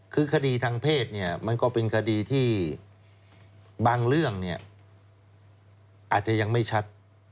คือคดีทางเพศเนี่ยมันก็เป็นคดีที่บางเรื่องเนี่ยอาจจะยังไม่ชัด